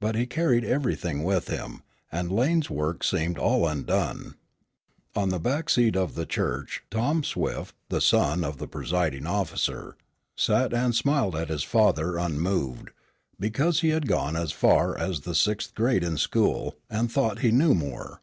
But he carried everything with him, and Lane's work seemed all undone. On a back seat of the church Tom Swift, the son of the presiding officer, sat and smiled at his father unmoved, because he had gone as far as the sixth grade in school, and thought he knew more.